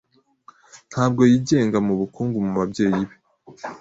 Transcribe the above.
Ntabwo yigenga mubukungu mubabyeyi be.